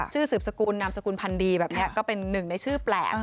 ชื่อสืบสกุลนามสกุลพันธ์ดีแบบนี้ก็เป็นหนึ่งในชื่อแปลก